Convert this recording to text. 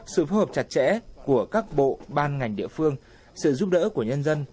sự phù hợp chặt chẽ của các bộ ban ngành địa phương sự giúp đỡ của nhân dân